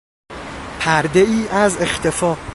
پردهای از اختفا